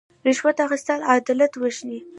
رشوت اخیستل عدالت وژني.